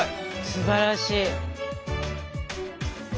すばらしい！